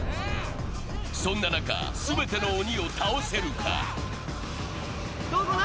そんな中すべての鬼を倒せるかどこだ？